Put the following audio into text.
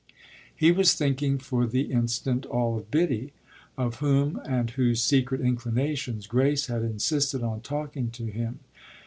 He was thinking for the instant all of Biddy, of whom and whose secret inclinations Grace had insisted on talking to him.